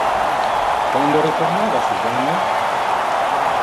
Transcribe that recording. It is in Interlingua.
Quando retornava Susanne?